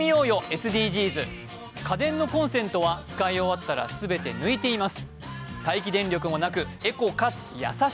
ＳＤＧＳ家電のコンセントは使い終わったらすべて抜いています